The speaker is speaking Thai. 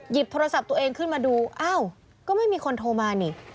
โทรศัพท์ตัวเองขึ้นมาดูอ้าวก็ไม่มีคนโทรมานี่